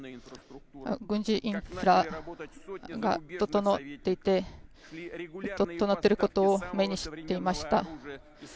軍事インフラが整っていることを目にしていました。